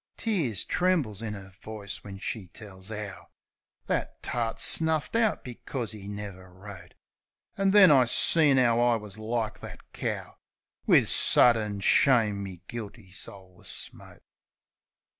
Tears trembles in 'er voice when she tells 'ow That tart snuffed out becos 'e never wrote. An' then I seen 'ow I wus like that cow. Wiv suddin shame me guilty soul wus smote.